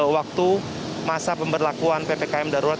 waktu masa pemberlakuan ppkm darurat